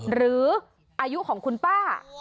หรืออายุของคุณป้า